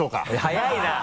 早いな！